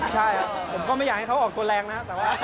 ใช่ครับผมก็ไม่อยากให้เขาออกตัวแรงนะ